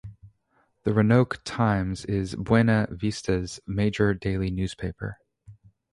The "Roanoke Times" is Buena Vista's major daily newspaper.